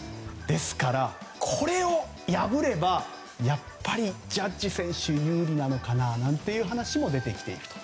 ですから、これを破ればやっぱりジャッジ選手が有利なのかなという話も出てきていると。